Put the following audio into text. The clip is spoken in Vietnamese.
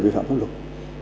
vi phạm pháp luật